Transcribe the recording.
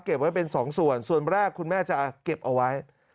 ไว้เป็นสองส่วนส่วนแรกคุณแม่จะเก็บเอาไว้